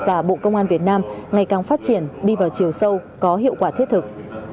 và bộ công an việt nam ngày càng phát triển đi vào chiều sâu có hiệu quả thiết thực